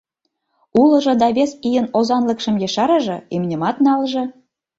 Улыжо да вес ийын озанлыкшым ешарыже, имньымат налже.